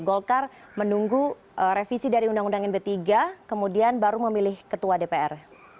golkar menunggu revisi dari undang undang md tiga kemudian baru memilih ketua dpr